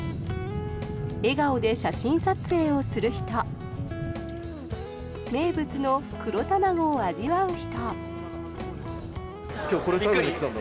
笑顔で写真撮影をする人名物の黒たまごを味わう人。